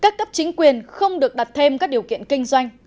các cấp chính quyền không được đặt thêm các điều kiện kinh doanh